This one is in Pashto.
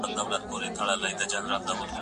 ورو ورو سندرې وايي: